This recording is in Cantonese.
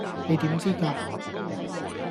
你點知架?